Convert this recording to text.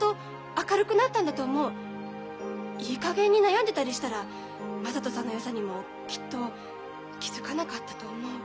いいかげんに悩んでたりしたら雅人さんのよさにもきっと気付かなかったと思う。